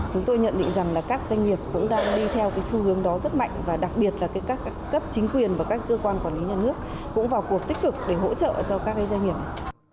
chúng tôi nhận định rằng là các doanh nghiệp cũng đang đi theo cái xu hướng đó rất mạnh và đặc biệt là các cấp chính quyền và các cơ quan quản lý nhà nước cũng vào cuộc tích cực để hỗ trợ cho các doanh nghiệp này